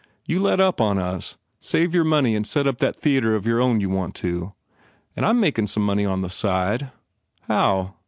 You let up on us. Save your money and set up that theatre of your own you want so. And I m makin some money on the side/ "How?